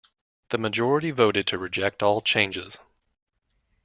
The majority voted to reject all changes.